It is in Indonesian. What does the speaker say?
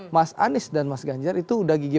mas anies dan mas ganjar itu udah gigi